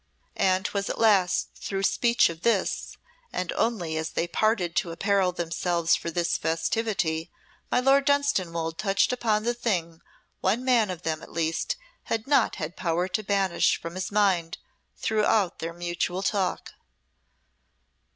And 'twas at last through speech of this, and only as they parted to apparel themselves for this festivity, my Lord Dunstanwolde touched upon the thing one man of them, at least, had not had power to banish from his mind throughout their mutual talk.